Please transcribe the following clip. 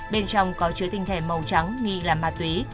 bên trong có chứa tinh thể màu trắng nghi là ma túy